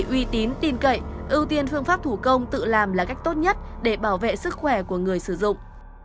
uy tín tin cậy ưu tiên phương pháp thủ công tự làm là cách tốt nhất để bảo vệ sức khỏe của người sử dụng